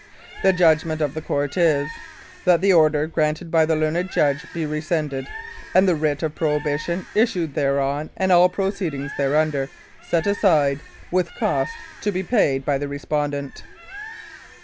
"The judgment of the Court is: That the order granted by the learned judge be rescinded, and the Writ of Prohibition issued thereon and all proceedings thereunder set aside, with costs to be paid by the Respondent."